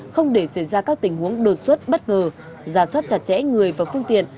không để xảy ra các tình huống đột xuất bất ngờ giả soát chặt chẽ người và phương tiện